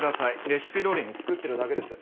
レシピどおりに作ってるだけです。